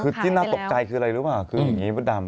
คือที่น่าตกใจคืออะไรรู้หรือว่า